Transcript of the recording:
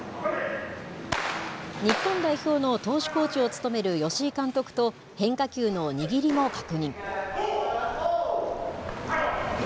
日本代表の投手コーチを務める吉井監督と、変化球の握りも確認。